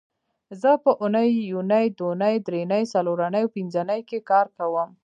زه په اونۍ یونۍ دونۍ درېنۍ څلورنۍ او پبنځنۍ کې کار کوم